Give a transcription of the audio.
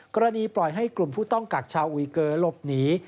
ปล่อยให้กลุ่มผู้ต้องกักชาวอุยเกอร์หลบหนี